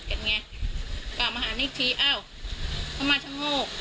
แต่พอเห็นว่าเหตุการณ์มันเริ่มเข้าไปห้ามทั้งคู่ให้แยกออกจากกัน